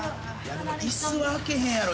椅子は開けへんやろ。